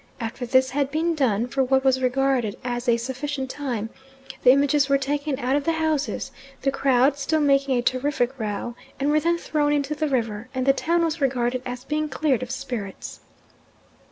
After this had been done for what was regarded as a sufficient time, the images were taken out of the houses, the crowd still making a terrific row and were then thrown into the river, and the town was regarded as being cleared of spirits.